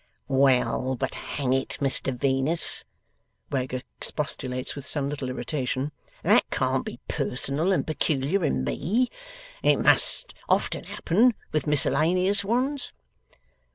'Well, but hang it, Mr Venus,' Wegg expostulates with some little irritation, 'that can't be personal and peculiar in ME. It must often happen with miscellaneous ones.